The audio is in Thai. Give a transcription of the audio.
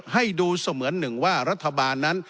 ให้ดูเสมือนหนึ่งว่ารัฐบาลนั้น